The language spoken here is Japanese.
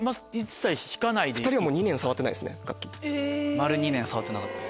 丸２年触ってなかった。